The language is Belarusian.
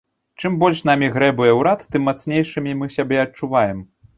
Чым больш намі грэбуе ўрад, тым мацнейшымі мы сябе адчуваем.